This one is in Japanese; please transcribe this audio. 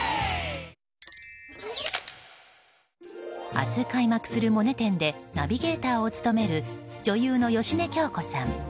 明日開幕する「モネ展」でナビゲーターを務める女優の芳根京子さん。